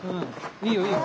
いいよいいよ。